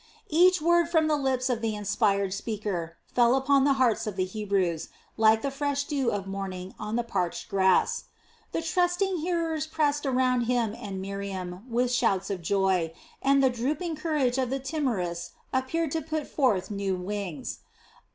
Each word from the lips of the inspired speaker fell upon the hearts of the Hebrews like the fresh dew of morning on the parched grass. The trusting hearers pressed around him and Miriam with shouts of joy, and the drooping courage of the timorous appeared to put forth new wings.